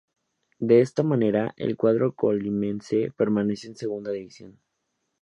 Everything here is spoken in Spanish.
De esta manera, el cuadro colimense permaneció en Segunda División.